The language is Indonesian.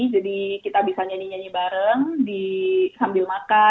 jadi kita bisa nyanyi nyanyi bareng sambil makan